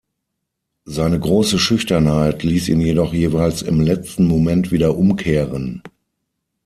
Seine große Schüchternheit ließ ihn jedoch jeweils im letzten Moment wieder umkehren.